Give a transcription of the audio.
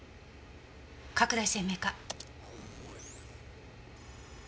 拡大鮮明化。